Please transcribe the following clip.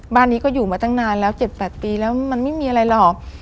บ้านนี้ก็อยู่มาตั้งนานแล้ว๗๘ปีแล้วมันไม่มีอะไรหรอก